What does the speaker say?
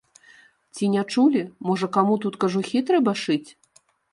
Ці не чулі, можа, каму тут кажухі трэба шыць?